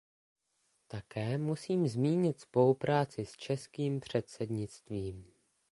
Také musím zmínit spolupráci s českým předsednictvím.